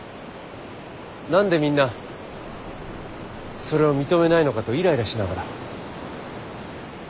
何でみんなそれを認めないのかと苛々しながら。